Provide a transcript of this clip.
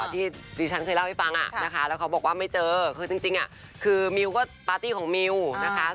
ที่ดิฉันเคยเล่าให้ฟังนะคะแล้วเขาบอกว่าไม่เจอคือจริงคือมิวก็ปาร์ตี้ของมิวนะคะ